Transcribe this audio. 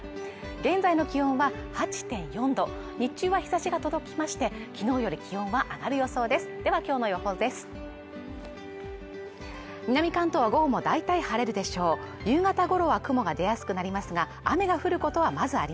現在の気温は８．４度日中は日差しが届きまして昨日より気温は上がる予想です